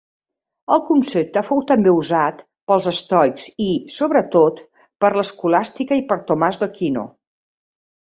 El concepte fou també usat pels estoics i, sobretot per l'escolàstica i per Tomàs d'Aquino.